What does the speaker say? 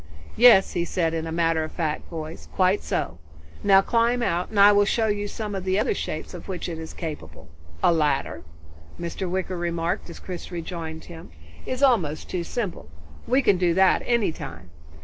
"Yes," he said, in a matter of fact voice, "Quite so. Now climb out and I will show you some of the other shapes of which it is capable. A ladder," Mr. Wicker remarked as Chris rejoined him, "is almost too simple. We can do that at any time."